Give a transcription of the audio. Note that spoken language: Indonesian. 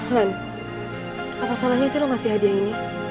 lan apa salahnya sih lo ngasih hadiah ini